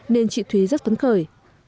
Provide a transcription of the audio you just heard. nên chị thúy rất phấn khởi